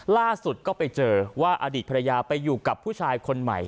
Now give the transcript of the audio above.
ล่าสุดก็ไปเจอว่าอดีตภรรยาไปอยู่กับผู้ชายคนใหม่